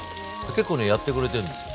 結構ねやってくれてんですよ。